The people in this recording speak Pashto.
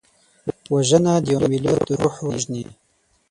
وژنه د یو ملت روح وژني